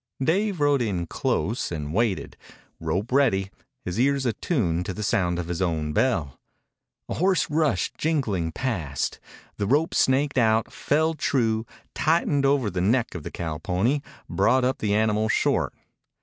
Dave rode in close and waited, rope ready, his ears attuned to the sound of his own bell. A horse rushed jingling past. The rope snaked out, fell true, tightened over the neck of the cowpony, brought up the animal short.